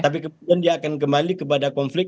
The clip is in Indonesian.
tapi kemudian dia akan kembali kepada konflik